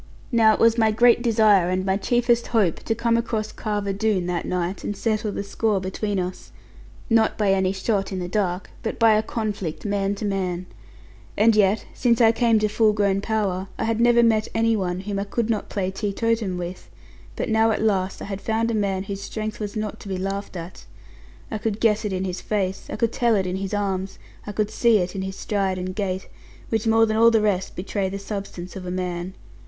Now it was my great desire, and my chiefest hope, to come across Carver Doone that night, and settle the score between us; not by any shot in the dark, but by a conflict man to man. As yet, since I came to full grown power, I had never met any one whom I could not play teetotum with: but now at last I had found a man whose strength was not to be laughed at. I could guess it in his face, I could tell it in his arms, I could see it in his stride and gait, which more than all the rest betray the substance of a man.